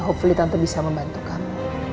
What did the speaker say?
hopefully tante bisa membantu kamu